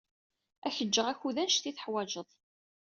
Ad ak-ǧǧeɣ akud anect i teḥwajeḍ.